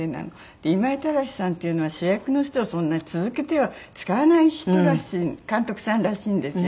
で今井正さんっていうのは主役の人をそんな続けては使わない人らしい監督さんらしいんですよ。